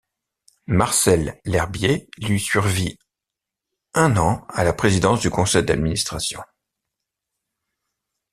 Marcel L'Herbier lui survit un an à la présidence du conseil d'administration.